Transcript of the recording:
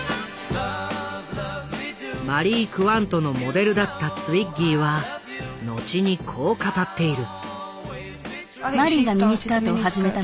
マリー・クワントのモデルだったツイッギーは後にこう語っている。